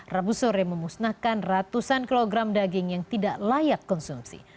rabu sore memusnahkan ratusan kilogram daging yang tidak layak konsumsi